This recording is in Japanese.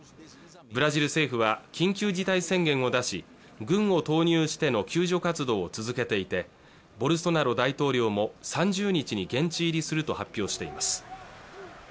ブラジル政府は緊急事態宣言を出し軍を投入しての救助活動を続けていてボルソナロ大統領も３０日に現地入りすると発表しています